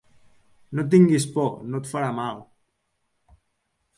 No tinguis por, no et farà mal.